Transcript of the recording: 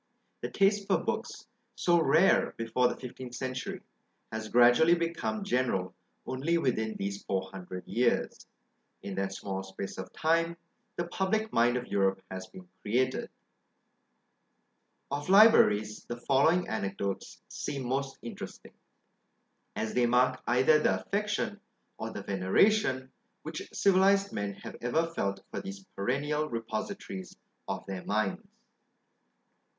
The taste for books, so rare before the fifteenth century, has gradually become general only within these four hundred years: in that small space of time the public mind of Europe has been created. Of LIBRARIES, the following anecdotes seem most interesting, as they mark either the affection, or the veneration, which civilised men have ever felt for these perennial repositories of their minds.